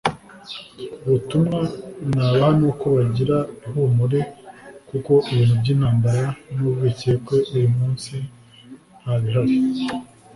ubutumwa nabaha ni uko bagira ihumure kuko ibintu by’intambara n’urwikekwe uyu munsi nta bihari